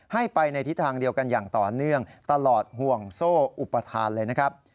ให้ไปในทิศทางเดียวกันอย่างต่อเนื่องตลอดห่วงโซ่อุปทานเลยนะครับ